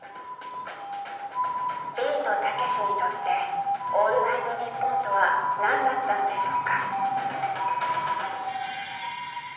ビートたけしにとって「オールナイトニッポン」とは何だったのでしょうか？